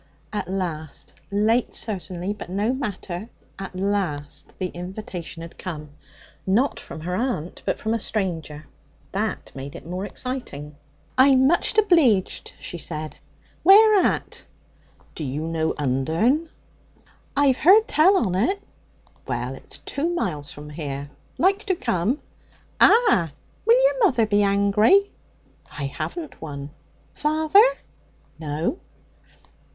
At last, late certainly, but no matter, at last the invitation had come, not from her aunt, but from a stranger. That made it more exciting. 'I'm much obleeged,' he said. 'Where at?' 'D'you know Undern?' 'I've heard tell on it.' 'Well, it's two miles from here. Like to come?' 'Ah! Will your mother be angry?' 'I haven't one.' 'Father?' 'No.'